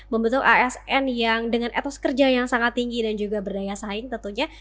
membentuk asn yang dengan etos kerja yang sangat tinggi dan juga berdaya saing tentunya